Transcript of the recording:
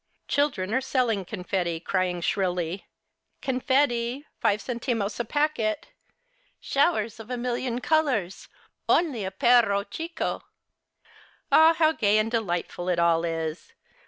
Children are selling confetti, crying shrilly, " Confetti, five centimos a packet. Showers of a million colours ! Only a perro Chico !"' Ah, how gay and delightful it all is